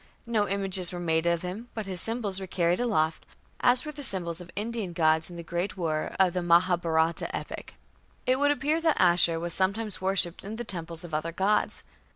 No images were made of him, but his symbols were carried aloft, as were the symbols of Indian gods in the great war of the Mahabharata epic. It would appear that Ashur was sometimes worshipped in the temples of other gods.